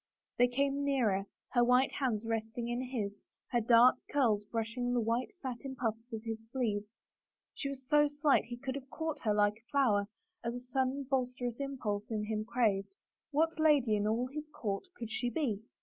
They came nearer, her white hand resting in his, her dark curls brushing the white satin puffs of his sleeves. She was so slight he could have caught her like a flower as a sudden boisterous impulse in him craved. What lady in all his court could she be